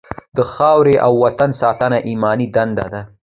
د خاورې او وطن ساتنه ایماني دنده ده.